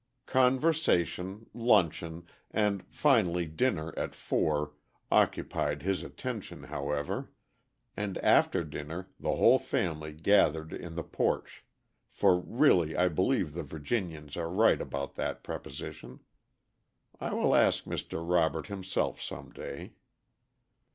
Conversation, luncheon, and finally dinner at four, occupied his attention, however, and after dinner the whole family gathered in the porch for really I believe the Virginians are right about that preposition. I will ask Mr. Robert himself some day.